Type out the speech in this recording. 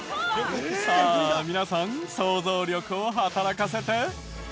さあ皆さん想像力を働かせて。